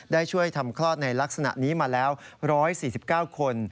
ได้ช่วยทำคลอดในลักษณะนี้มาแล้ว๑๔๙คน